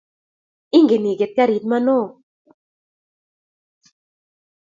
Inge iget karit iman ooh ?